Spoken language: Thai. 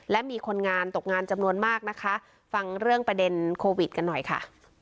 และมีคนงานตกงานจำนวนมากนะคะฟังเรื่องประเด็นโควิดกันหน่อยค่ะ